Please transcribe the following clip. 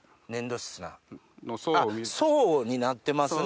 層になってますね。